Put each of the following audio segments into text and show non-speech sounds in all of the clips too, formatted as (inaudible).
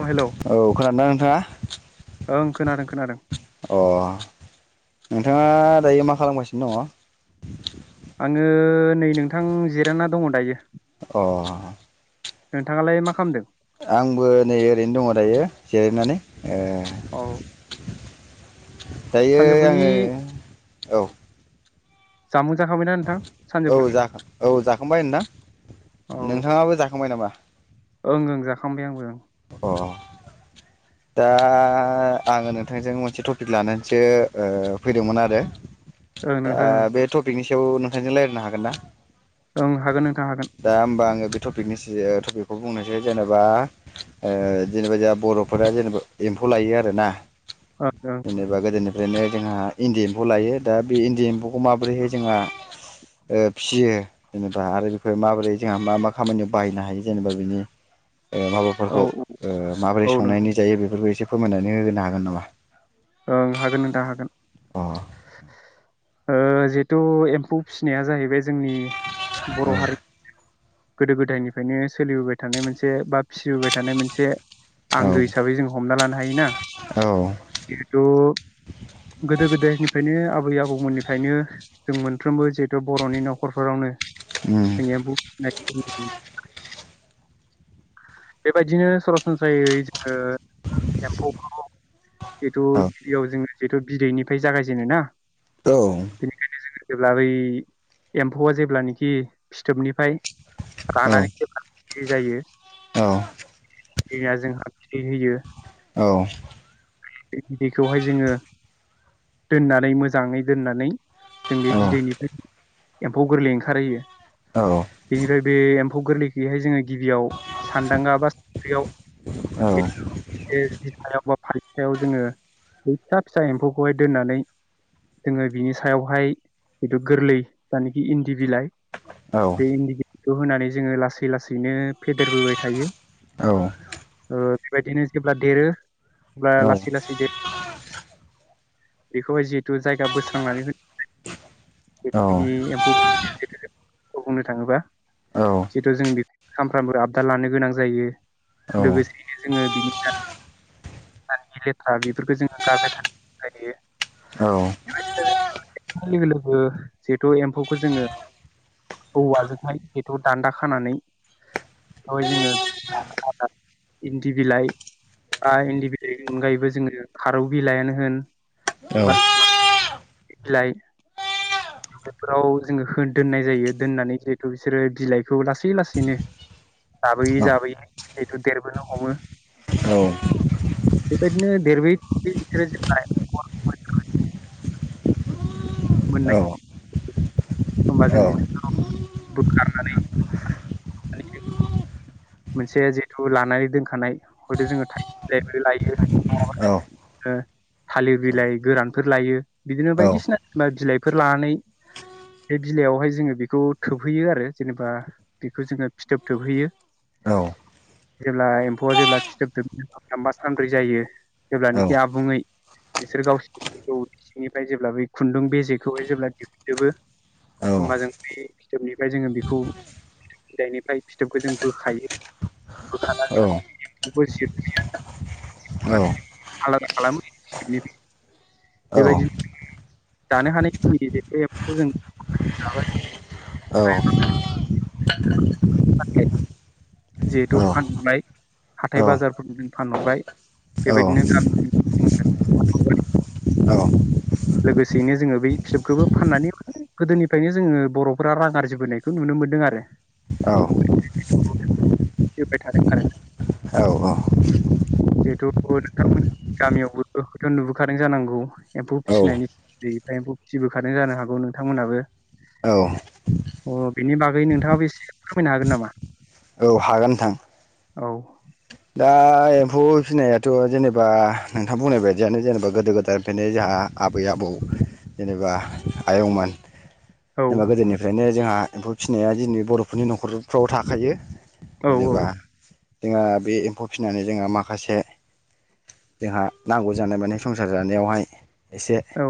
औ हेलौ औ खोनादोंना नोंथाङा ओं खोनादों खोनादों अ नोंथाङा दायो मा खालामगासिनो दङ आङो नै नोंथां जिरायना दङ दायो। अ नोंथाङालाय मा खालामदों। आंबो नै ओरैनो दङ दायो जिरायनानै ए औ दायो सानजौफुनि आङो औ सामु औ जाख औ जाखांबाय नोंथां। औ नोंथाङाबो जाखांबाय नामा? ओं ओ जाखांबाय आंबो अ दा आङो नोंथांजों मोनसे टपिक लानानैसो ओ फैदोंमोन आरो ओं दा नोंथां ओं बे टपिकनि सायाव नोंथांजों रायलायनो हागोन ना? ओं हागोन नोंथां हागोन। दा होमबा आङो बे टपिकनि टपिकखौ बुंनोसै जेनेबा ओ जेनेबा जों बर'फोरा जेनेबा एम्फौ लायो आरो ना। ओं ओं जेनेबा गोदोनि ओरैनो जोंहा इन्दि एम्फौ लायो दा बे इन्दि एम्फौखौ माबोरैहाय जोंहा फिसियो जेनेबा आरो बेफोर माबोरै जोंहा मा मा खामानियाव बाहायनो हायो जेनेबा बिनि औ फोरखौ माबोरै औ नों संनायनि जायो बेफोरखौ एसे फोरमायनानै होनो हागोन नामा ओं हागोन नोंथां हागोन अ ओ जिहेथु एम्फौ फिसिनाया जाहैबाय जोंनि बर' हारि गोदो गोदायनिफ्रायनो सोलिबोबाय थानाय मोनसे बा फिबोबाय थानाय मोनसे औ आंगो हिसाबै जों हमना लानो हायोना औ जिहेथु गोदो गोदायनिफ्रायनो आबै आबौ गुबुननिफ्रायनो जों मोनफ्रोमबो जिहेथु बर'नि न'खरफोरावनो उम जोंनिया एम्फौ फिसिनाय (unintelligible) बेबायदिनो सरासनस्रायै जोङो एम्फौखौ जिथु औ गिबियाव जोंङो बेथ' बिदैनिफ्राय जागायजेनो ना बेनिफ्राय औ जेब्ला बै एम्फौआ जेब्लानिखि फिथोबनिफ्राय औ रानानै जेब्ला बे जायो औ (unintelligible) औ बे बिदैखौहाय जोङो दोननानै मोजाङै दोननानै जों बे बिदैनिफ्राय एम्फौ गोरलै ओंखारहैयो औ बे एम्फौ गोरलैखौैहाय जोङो गिबियाव सानदांगा बा साद्रियाव जि सायाव बा फालि सायाव जोङो बै फिसा फिसा एम्फौखौहाय दोननानै जोङो बिनि सायावहाय जिथु गोरलै जायानखि इनदि बिलाइ बे इनदि बिलाइखौ होनानै जोङो लासै लासैनो फेदेरबोबाय थायो ओ बेबायदिनो जेब्ला देरो अब्ला लासै लासै देरो बेखौहाय जिहेतु जायगा बोस्रांनानै होयो जिहेतु बेनि एम्फौ फिसिनाया जिहेतु बुंनो थाङोबा औ जिहेतु जों बेखौ सानफ्रामबो आबदार लानो गोनां जायो औ लोगोसेयैनो जोङो बिनिफ्राय लेथ्रा बेफोरखौ जोङो गारबाय थानो जायो औ बेबादिनो जों लोगो लोगो जिहेथु एम्फौखौ जोङो औवाजोंहाय जेथ' दान्दा खानानै बेवहाय जोङो इन्दि बिलाइ बा इन्दि बिलाइनि अनगायैबो जोङो खारौ बिलाइयानो होन बा बिलाइ बिलाइफोराव जोङो दोननाय जायो दोननानै जिहेथु बिसोरो बिलाइखौ लासै लासैनो जाबोयै जाबोयै जिहेथु देरबोनो हमो बेबायदिनो देरबोयै देरबोयै बिसोरो जेब्ला मोननायाव होनबा जों बिसोरखौ बोखारनानै जों मोनसे जिहेथु लानानै दोनखानाय हयथ' जोङो थाइलिर बिलाइबो लायो नङाबा बेबायदिनो थालिर बिलाइ गोरानफोर लायो बिदिनो औ बायदिसिनाबा बिलाइफोर लानानै बे बिलाइयावहाय जोङो बेखौ थोबहैयो आरो जेनेबा बेखौ जोङो फिथोब थोबहैयो जेब्ला एम्फौआ जेब्ला फिथोब जोबनोबा सानब्रै जायो जेब्लानोखि आबुङै बिसोर गावसिनि उदै सिंनिफ्राय जेब्ला बै खुन्दुं बेजेखौहाय जेब्ला दिहुनजोबो होनबा जों बे फिथोबनिफ्राय जोङो बेखौ बिलायनिफ्राय फिथोबखौ जों बो खायो बोखानानै (unintelligible) (unintelligible) (unintelligible) जिहेथु फानहरबाय हाथाय बाजारफोर जों फानहरबाय बेबायदिनो गामि फानहरबाय लोगोसेयैनो जोङो बै फिथोबखौबो फाननानै गोदोनिफ्रायनो जोङो बर'फोरा रां आरजिबोनायखौ नुनो मोनदों आरो (unintelligible) थागोन आरो जिहेथु नोंथांमोननि गामियावबो हयथ' नुबोखादों जानांगौ एम्फौ फिसिनायनि एम्फौ फिसिबोखादों जानो हागौ नोंथांमोनाबो अ बेनि बागै नोंथाङाबो एसे फोरमायनो हागोन नामा औ हागोन नोंथां ओ औ दा एम्फौ फिसिनायाथ' जेनेबा नोंथां बुंनाय बायदियानो जेनेबा गोदो गोदायनिफ्रायनो जोंहा आबै आबौ जेनेबा आयंमोन औ जेनेबा गोदोनिफ्रायनो जोंहा एम्फौ फिसिनाया जोंनि बर'फोरनि न'खरफ्राव थाखायो औ जेनेबा जोंहा फिनानै जोंहा माखासे जोंहा नांगौ जानाय माने संसार जानायावहाय एसे औ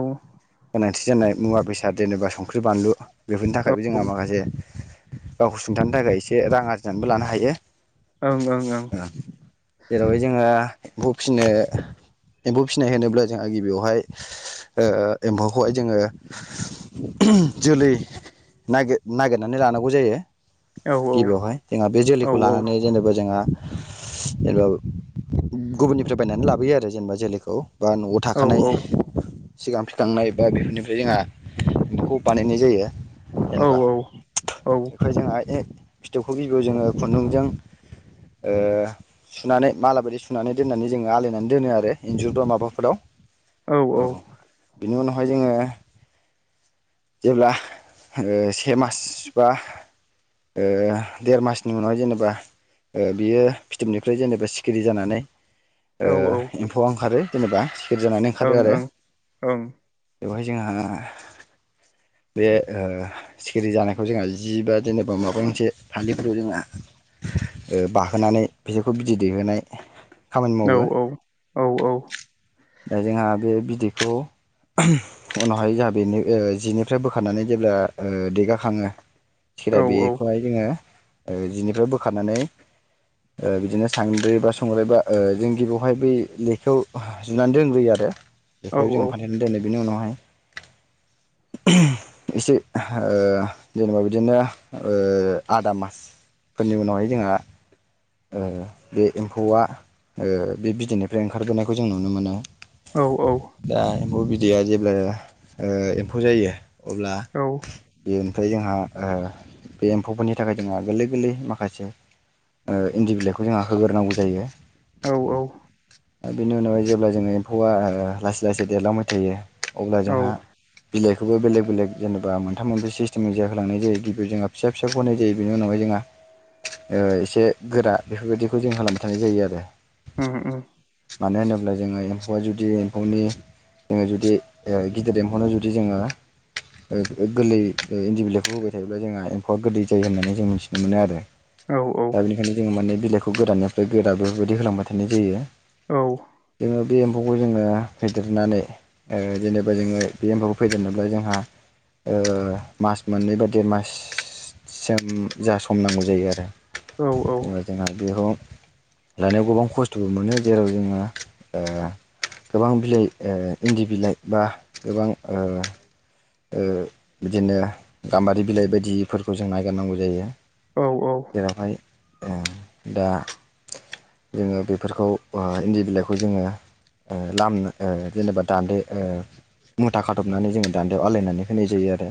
गोन थि जानाय मुवा बेसाद जेनेबा संख्रि बानलु बेफोरनि थाखायबो जोंहा ओं माखासे गावखौ सुंथानो थाखाय एसे रां आरजिनानैबो लानो हायो ओं ओं जेरावहाय जोङो एम्फौ फिसिनो एम्फौ फिसिनाय होनोब्ला जोंहा गिबियावहाय ओ एम्फौखौहाय जोङो जोलै नायगिर नागिरनानै लानांगौ जायो औ गिबियावहाय जोंहा बे औ जोलैखौ लानानै जेनेबा जोंहा जेनेबा गुबुननिफ्राय बायनानै लाबोयो आरो जेनेबा जोलैखौ बा नआव औ थाखानाय सिगां फिखांनाय बा बेफोरनिफ्राय जोंहा बेखौ बानायनाय जायो औ जेनेबा बेखौ जोंहा ए फिथोबखौ गिबियव जोङो खुन्दुंजों ओ सुनानै मालाबायदि सुनानै दोननानै जोङो आलायनानै दोनो आरो इन्जुर बा माबाफोराव औ बिनि उनाव बेहाय जोङो जेब्ला ओ से मास बा ओ देर मासनि उनाव जेनेबा ओ बियो फिथोबनिफ्राय जेनेबा सिखिरि जानानै ओ ओं एम्फौआ ओंखारो जेनेबा खिर जानानै ओंखारो आरो बेवहाय जोंहा बे ओ सिखिरि जानायखौ जोंहा जि बा जेनेबा माबा मोनसे फालिफोराव जोंहा ओ बाहोनानै बेसोरखौ बिदै दैहोनाय खामानि मावो औ औ दा जोंहा बे बिदैखौ उनावहाय जोंहा बेनि जिनिफ्राय बोखारनानै जेब्ला देगाखाङो औ खिरा बेखौहाय जोङो ओ जिनिफ्राय बोखारनानै ओ बिदिनो संद्रि बा संग्राय बा ओ जों गिबियावहाय बै लेखायाव जुनानै दोंग्रोयो आरो औ जेखायाव जोङो फानथेनानै दोनो बेनि उनावहाय एसे ओ जेनेबा बिदिनो ओ आदा मासफोरनि उनावहाय जोंहा ओ बे एम्फौआ ओ बे बिदैनिफ्राय ओंखारबोनायखौ जों नुनो मोनो औ दा एम्फौ बि दैया जेब्ला ओ एम्फौ जायो अब्ला औ बेयो ओमफ्राय जोंहा ओ बे एम्फौफोरनि थाखाय जोंहा गोरलै गोरलै माखासे ओ इन्दि बिलाइखौ जोंहा होग्रोनांगौ जायो औ (inaudible) बिनि उनावाय जेब्ला जोङो एम्फौआ ओ लासै लासै देरलांबाय थायो अब्ला औ जोंहा बिलाइ खौबो बेलेग बेलेग जेनेबा मोनथाम मोननसे सिस्टेम जाहोलांनाय जायो गिबियाव जोंहा फिसा फिसाखौ होनाय जायो बेनि उनावहाय जोंहा ओ एसे गोरा बेफोरबायदिखौ जों खालामबाय थानाय जायो आरो उम उम (inaudible) मानो होनोब्ला जोङो एम्फौआ जुदि एम्फौनि जोङो जुदि ओ गिदिर एम्फौनो जुदि जोङो गोरलै इन्दि बिलाइखौ होबाय थायोब्ला जोंहा एम्फौआ गोरलै जायो होननानै जों मिथिनो मोनो आरो औ दा बेखायनो जों माने बिलाइखौ बे गोरानिफ्राय गोरा बेफोरबायदि होलांबाय थानाय जायो औ जोङो बे एम्फौखौ जोङो फेदेरनानै ओ जेनेबा जोङो बे एम्फौखौ फेदेरनोब्ला जोंहा ओ मास मोननै बा देर माससिम जा सम नांगौ जायो आरो (unintelligible) लानायाव गोबां खस्थ'बो मोनो जेराव जोङो ओ गोबां ओ बिलाइ इन्दि बिलाइ बा गोबां ओ ओ बिदिनो गाम्बारि बिलाइ बायदिफोरखौ जों नायगिरनांगौ जायो औ औ जेरावहाय दा जोङो बेफोरखौ ओ इन्दि बिलाइखौ जोङो ओ लामनो ओ जेनेबा ओ दान्दो मुथा खाथबनानै जोङो दान्द याव आलायनानै होनाय जायो आरो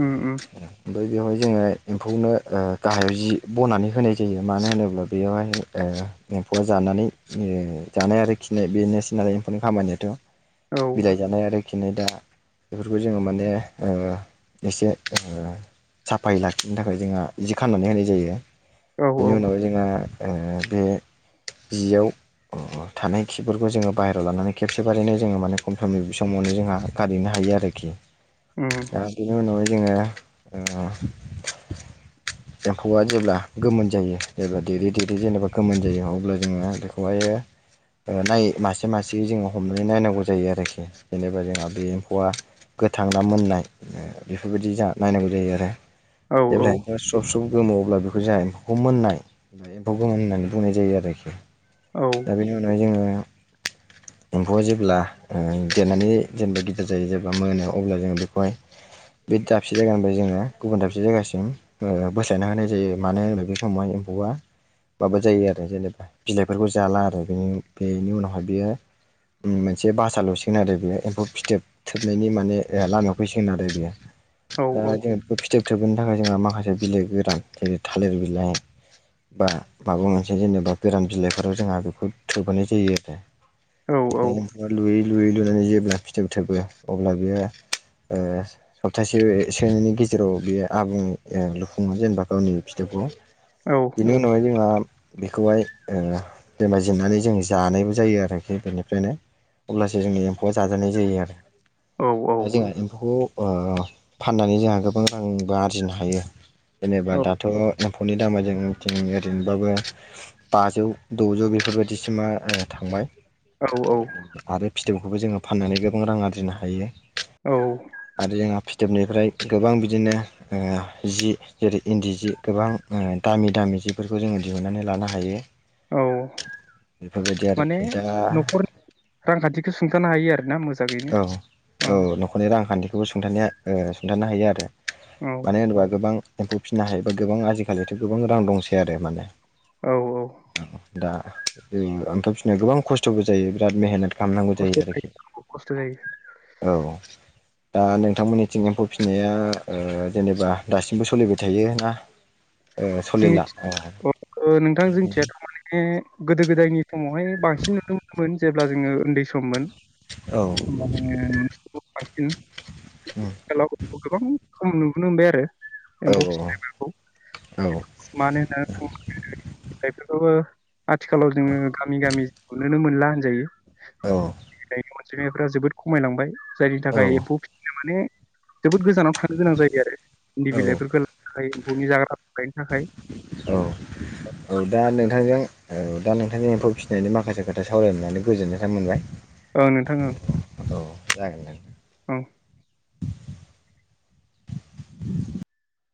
उम उम बेयावहाय जोङो एम्फौनो ओ गाहायाव जि बनानै होनाय जायो मानो होनोब्ला बेयावहाय ओ एम्फौआ जानानै जानाय आरो खिनाय बेनोसै नालाय एम्फौनि खामानियाथ' औ बिलाइ जानाय आरोखिनाय दा बेफोरखौ जोङो माने ओ एसे ओ साफायै लाखिनो थाखाय जोंहा जि खनानै होनाय जायो बेनि औ उनाव जोंहा ओ बे जियाव थानाय खिफोरखौ जोङो बाहेरायाव लानानै खेबसेबारैनो जोङो माने खम सम समावनो जोंहा गारैनो हायो आरो के उम आ बिनि उनाव जोङो ओ एम्फौआ जेब्ला गोमोन जायो जेब्ला देरै देरै जेनेबा गोमोन जायो अब्ला जोङो बेखौहायनाय ओ मासे मासे जोङो हमनानै नायनांगौ जायो आरोखि जेनेबा जोंहा बे एम्फौआ गोथां दा मोननाय बेफोरबायदि जा नायनांगौ जायो आरो औ (unintelligible) गोमो अब्ला बेखौ जोंहा एम्फौखौ मोननाया एम्फौ गोमोन होननानै बुंनाय जायो आरोखि औ औ दा बेनि उनाव जोङो एम्फौआ जेब्ला ओ देरनानै जेनेबा गिदिर जायो जेब्ला मोनो अब्ला जोङो बेखौहाय बे दाबसे जायगानिफ्राय जोङो गुबुन दाबसे जायगासिम ओ बोस्लायना होनाय जायो मानो होन्ला बे समावहाय एम्फौआ माबा जायो आरो जेनेबा बिलाइफोरखौ जाला आरो बेनि उनावहाय बियो मोनसे बासा लुसिगोन आरो बेयो एम्फौ फिथोब खोबनायनि माने लामायाव फैसिगोन आरो बेयो दा जोङो बेखौ फिथोब थोबनो थाखाय जोंहा माखासे बिलाइ गोरान जेरै थालिर बिलाइ बा माबा मोनसे जेनेबा बेराम बिलाइफोराव जोंहा बेखौ थोबोनाय जायो आरो ओ जबा लुयै लुयै लुनानै जेब्ला फिथोब थोबो अब्ला बियो ओ सप्तासे सोनि गेजेराव बेयो आबुं लुफुङोन जेनेबा गावनि फिथोबखौ बिनि उनावहाय जोङा बेखौहाय ओ बेमाय जेननानै जों जानायबो जायो आरोखि बेनिफ्रायनो अब्लासो जोनि एम्फौआ जाजानाय जायो आरो दा जोंहा एम्फौ फाननानै जोंहा गोबां रांबो आरजिनो हायो जेनेबा दाथ' एम्फौनि दामा जों मिथिं ओरैनोबाबो बाजौ द'जौ बेफोरबायदिसिमा थांबाय औ औ आरो फिथौखौबो जोङो फाननानै गोबां रां आरजिनो हायो आरो जोंहा फिथोबनिफ्राय गोबां बिदिनो ओ जि जेरै इन्दि सि गोबां ओ दामि दामि सिफोरखौ जोङो दिहुनन्नानै लानो हायो बेफोरबायदि माने आरोखि दा न'खर रांखान्थिखो सुंथानो हायो आरोना मोजाङैनो औ औ न'खरनि रांखान्थिखौबो सुंथानाया ओ सुंथानो हायो आरो औ मानो होनोबा गोबां एम्फौ फिनो हायोबा गोबां आजिखालिथ' गोबां रां दंसै आरो माने औ औ दा ओमफ्राय फिसिनायाव गोबां खस्थ'बो जायो बिराद मेहनत खालामनांगौ जायो आरोखि (unintelligible) ख खस्थ जायो औ दा नोंथांमोननिथिं एम्फौ फिसिनाया ओ जेनेबा दासिमबो सोलिबाय थायो ना ओ सोलिला जोंनिथि औ ओ नोंथां जोंथिया थारमाने गोदो गोदायनि समाव हाय बांसिन नुनोमोन जेब्ला जोङो उन्दै सममोन औ मान उम (unintelligible) आ (unintelligible) हेल'ब (unintelligible) खम नुबोनो मोनबाय आरो औ एमफौ (unintelligible) मान जखौ (unintelligible) आथिखालाव जोङो गामि गामिखौ नुनोनो मोनला होनजायो औ मनायफ्रा जोबोद खमायलांबाय जायनि औ थाखाय एम्फौ फिसिनाया माने जोबोद गोजानाव खारनो गोनां जायो आरो इन्दि बिलाइफोरखौ लायो भुमनि जाग्रा लायनो थाखाय औ औ दा नोंथांजों औ दा नोंथांनि एम्फौ फिसिनायनि माखासे खोथा सरायायनानै गोजोन्नाय मोनबाय औ नोंथां औ औ जागोन ने औ (inaudible)